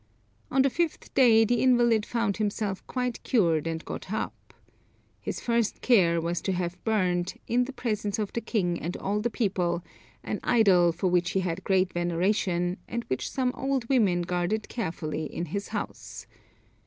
On the fifth day the invalid found himself quite cured and got up. His first care was to have burned, in the presence of the king and all the people, an idol for which he had great veneration, and which some old women guarded carefully in his house.